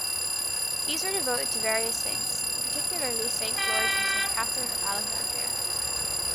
These were devoted to various saints, particularly Saint George and Saint Catherine of Alexandria.